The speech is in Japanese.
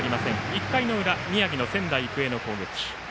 １回の裏、宮城の仙台育英の攻撃。